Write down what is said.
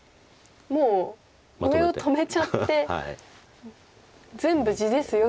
もう上を止めちゃって全部地ですよと。